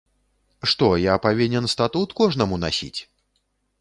Што, я павінен статут кожнаму насіць?